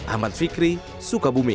ahmad fikri sukabumi